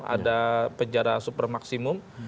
ada penjara super maksimum